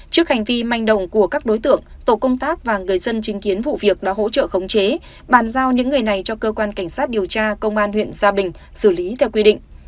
trước hành vi manh động của các đối tượng tổ công tác và người dân chứng kiến vụ việc đã hỗ trợ khống chế bàn giao những người này cho cơ quan cảnh sát điều tra công an huyện gia bình xử lý theo quy định